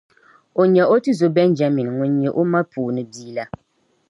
o nya o tizo Bɛnjamin ŋun nyɛ o ma puuni bia la.